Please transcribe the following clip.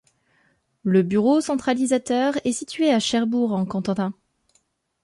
Le bureau centralisateur est situé à Cherbourg-en-Cotentin.